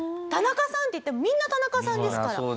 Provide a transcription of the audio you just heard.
「田中さん」って言ってもみんな田中さんですから。